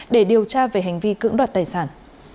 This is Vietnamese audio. để điều tra về hành vi cưỡng đoạt tài sản